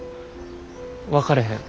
分かれへん。